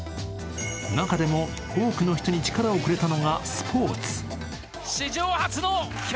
中でも多くの人に力をくれたのがスポーツ。